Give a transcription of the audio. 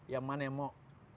yang mana yang mau